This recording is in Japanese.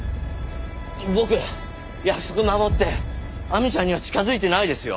僕約束守って亜美ちゃんには近づいてないですよ！